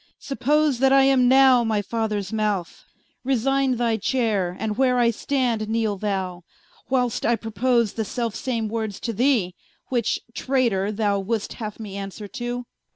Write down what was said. Suppose that I am now my Fathers Mouth, Resigne thy Chayre, and where I stand, kneele thou, Whil'st I propose the selfe same words to thee, Which (Traytor) thou would'st haue me answer to Qu.